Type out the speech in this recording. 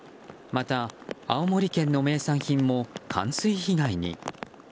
また、青森県の名産品も冠水被害に。